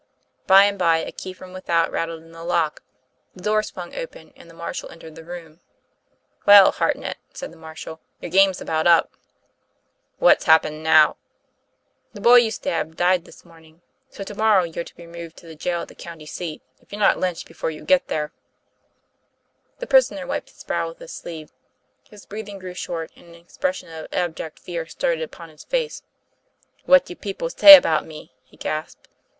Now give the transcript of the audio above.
By and by, a key from without rattled in the lock, the door swung open, and the marshal entered the room. "Well, Hartnett,"said the marshal, "your game's about up." "What's happened now?" The boy you stabbed died this morning. So to morrow you're to be removed to the jail at the county seat, if you're not lynched before you get there." TOM PLAYFAIR. 245 The prisoner wiped his brow with his sleeve, his breathing grew short, and an expression of abject fear started upon his face. 'What do the people say about me?" he gasped.